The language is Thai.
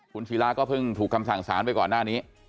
คุณศิราก็เพิ่งถูกคำสั่งสารไปก่อนหน้านี้